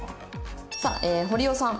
さあ堀尾さん。